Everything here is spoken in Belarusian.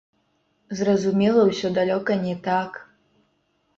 Зразумела ўсё далёка не так.